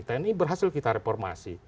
tni berhasil kita reformasi